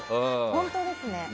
本当ですね。